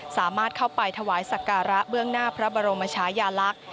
สามารถเข้าไปถวายสักการะเบื้องหน้าพระบรมชายาลักษณ์